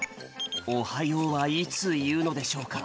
「おはよう」はいついうのでしょうか？